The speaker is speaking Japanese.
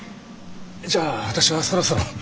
じゃあ私はそろそろ。